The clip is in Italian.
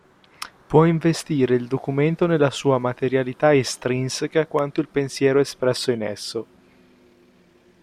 Può investire il documento nella sua "materialità estrinseca" quanto il pensiero espresso in esso.